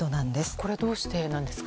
これは、どうしてなんですか？